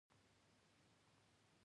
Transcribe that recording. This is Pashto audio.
وزې د سکوت سره مینه لري